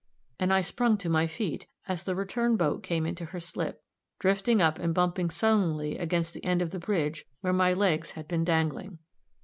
and I sprung to my feet, as the return boat came into her slip, drifting up and bumping sullenly against the end of the bridge where my legs had been dangling.